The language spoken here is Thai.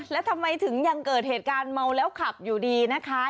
แล้วทำไมถึงยังเกิดเหตุการณ์เมาแล้วขับอยู่ดีนะคะ